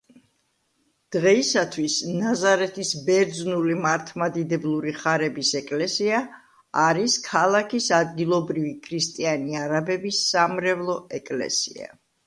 დღეისათვის ნაზარეთის ბერძნული მართლმადიდებლური ხარების ეკლესია არის ქალაქის ადგილობრივი ქრისტიანი არაბების სამრევლო ეკლესია.